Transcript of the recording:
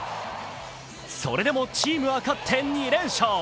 それでもチームは勝って２連勝。